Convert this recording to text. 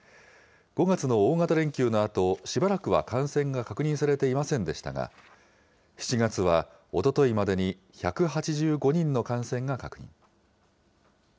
５月の大型連休のあとしばらくは感染が確認されていませんでしたが、７月はおとといまでに１８５人の感染が確認。